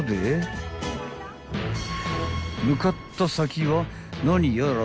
［向かった先は何やら］